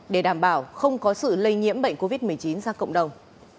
để đảm bảo không có sự lây nhiễm bệnh covid một mươi chín ra cộng đồng